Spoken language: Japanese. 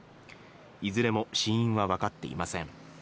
いずれも死因はわかっていません。